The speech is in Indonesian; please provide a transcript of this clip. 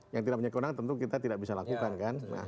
yang tidak punya kewenangan tentu kita tidak bisa lakukan kan